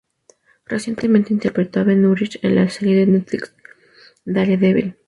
Recientemente interpretó a Ben Urich en la serie de Netflix "Daredevil".